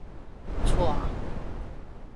疶